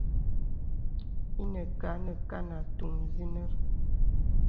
Ìnə kâ nə kan atûŋ sìnə.